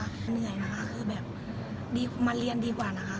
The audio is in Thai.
เหนื่อยนะคะคือแบบมาเรียนดีกว่านะคะ